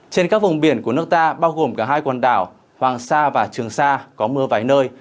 trên các vùng biển của nước ta bao gồm cả hai quần đảo hoàng sa và trường sa có mưa vài nơi